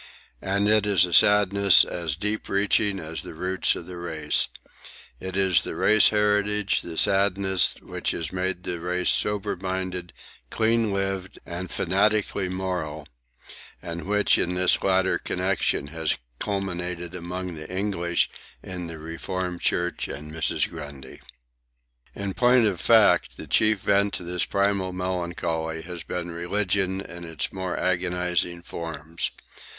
And it is a sadness as deep reaching as the roots of the race. It is the race heritage, the sadness which has made the race sober minded, clean lived and fanatically moral, and which, in this latter connection, has culminated among the English in the Reformed Church and Mrs. Grundy. In point of fact, the chief vent to this primal melancholy has been religion in its more agonizing forms.